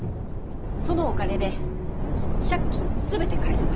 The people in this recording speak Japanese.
そのお金で借金全て返せます。